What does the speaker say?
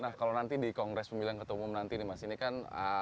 nah kalau nanti di kongres pemilihan ketua umum nanti nih mas ini kan